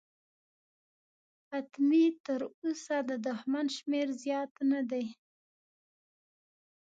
حتمي، تراوسه د دښمن شمېر زیات نه دی.